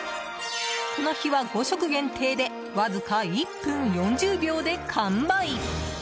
この日は５食限定でわずか１分４０秒で完売。